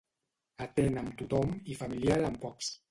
Atent amb tothom i familiar amb pocs.